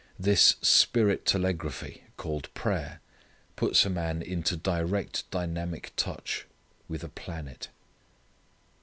This spirit telegraphy called prayer puts a man into direct dynamic touch with a planet.